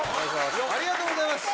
ありがとうございます。